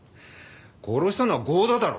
殺したのは剛田だろう？